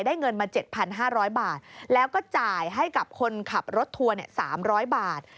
เงินมา๗๕๐๐บาทแล้วก็จ่ายให้กับคนขับรถทัวร์๓๐๐บาท